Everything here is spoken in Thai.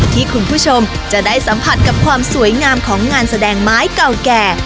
ที่คุณผู้ชมจะได้สัมผัสกับความสวยงามของงานแสดงไม้เก่าแก่